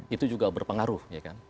itu juga berpengaruh